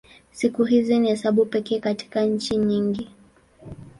Siku hizi ni hesabu pekee katika nchi nyingi.